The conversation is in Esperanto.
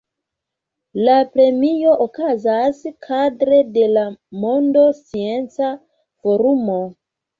La premio okazas kadre de la Monda Scienca Forumo.